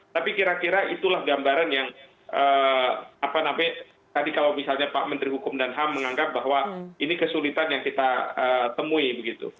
tapi kira kira itulah gambaran yang apa namanya tadi kalau misalnya pak menteri hukum dan ham menganggap bahwa ini kesulitan yang kita temui begitu